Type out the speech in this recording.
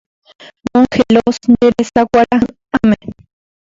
Mongelós nde resa kuarahyʼãme.